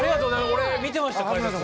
俺見てました解説。